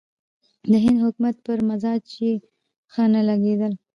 د هند حکومت پر مزاج یې ښه نه لګېدل.